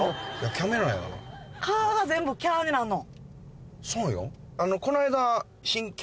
キャメラやがな「カ」は全部「キャ」になんの？